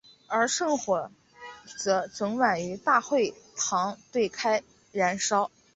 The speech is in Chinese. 而圣火则整晚于大会堂对开燃烧。